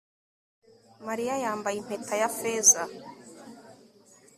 Mariya yambaye impeta ya feza